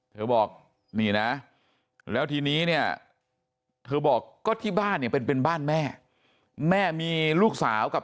เธอบอกนี่นะแล้วทีนี้เนี่ยเธอบอกก็ที่บ้านเนี่ยเป็นเป็นบ้านแม่แม่มีลูกสาวกับ